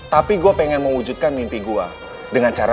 tapi gue pengen mewujudkan mimpi gue dengan cara